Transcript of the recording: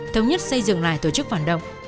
thông nhất xây dựng lại tổ chức phản động